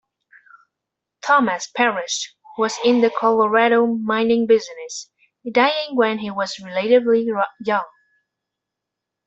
Thomas Parrish was in the Colorado mining business, dying when he was relatively young.